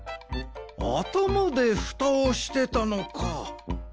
あたまでふたをしてたのか。